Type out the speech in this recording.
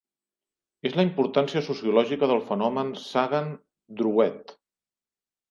És la importància sociològica del fenomen Sagan-Drouet.